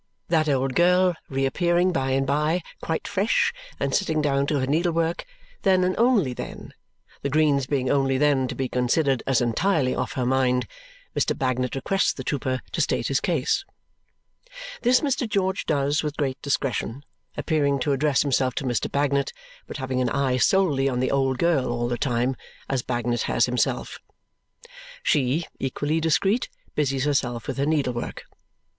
That old girl reappearing by and by, quite fresh, and sitting down to her needlework, then and only then the greens being only then to be considered as entirely off her mind Mr. Bagnet requests the trooper to state his case. This Mr. George does with great discretion, appearing to address himself to Mr. Bagnet, but having an eye solely on the old girl all the time, as Bagnet has himself. She, equally discreet, busies herself with her needlework.